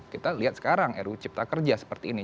dua ribu dua puluh kita lihat sekarang ru cipta kerja seperti ini